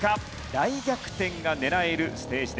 大逆転が狙えるステージです。